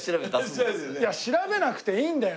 いや調べなくていいんだよ！